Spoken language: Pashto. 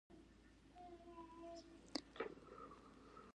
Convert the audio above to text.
ډرامه د خوښۍ لحظې زیاتوي